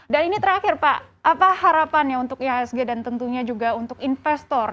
dan ini terakhir pak apa harapannya untuk ihsg dan tentunya juga untuk investor